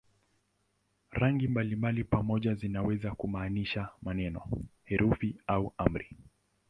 Rangi mbalimbali pamoja zinaweza kumaanisha maneno, herufi au amri.